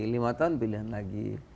lima tahun pilihan lagi